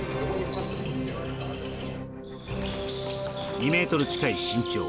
２ｍ近い身長。